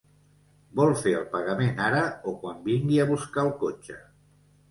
Vol fer el pagament ara, o quan vingui a buscar el cotxe?